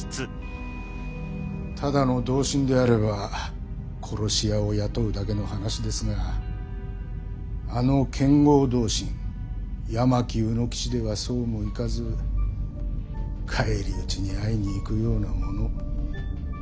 ただの同心であれば殺し屋を雇うだけの話ですがあの剣豪同心八巻卯之吉ではそうもいかず返り討ちに遭いに行くようなもの。